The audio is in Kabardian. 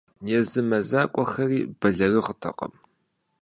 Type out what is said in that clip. Езы мэзакӏуэхэри бэлэрыгъыртэкъым.